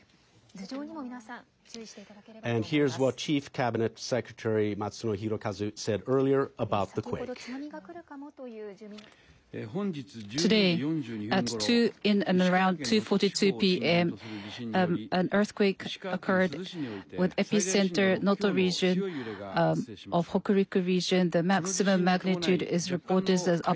頭上にも皆さん、注意していただければと思います。